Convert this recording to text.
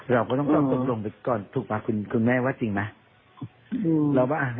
เราก็ต้องตรงไปก่อนถูกป่ะคุณแม่ว่าจริงมั้ยรู้ป่ะงานตรง